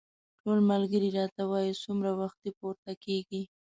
ټول ملګري راته وايي څومره وختي پورته کېږې.